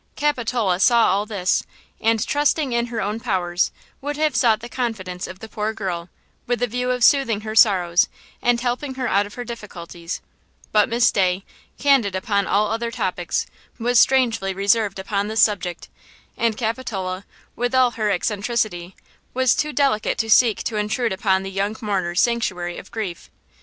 Capitola saw all this and, trusting in her own powers, would have sought the confidence of the poor girl, with the view of soothing her sorrows and helping her out of her difficulties; but Miss Day, candid upon all other topics, was strangely reserved upon this subject, and Capitola, with all her eccentricity, was too delicate to seek to intrude upon the young mourner's sanctuary of grief.